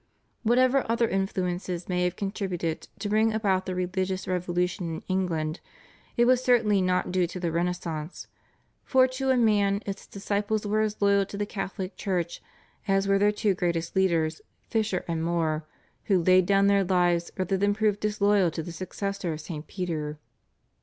Whatever other influences may have contributed to bring about the religious revolution in England, it was certainly not due to the Renaissance, for to a man its disciples were as loyal to the Catholic Church as were their two greatest leaders Fisher and More, who laid down their lives rather than prove disloyal to the successor of St. Peter.